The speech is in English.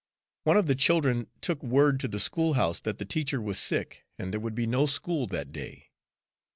One of the children took word to the schoolhouse that the teacher was sick and there would be no school that day.